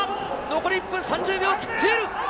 残り１分３０秒を切っている。